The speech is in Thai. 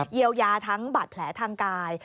เยียวยาทั้งบาดแผลทางกาย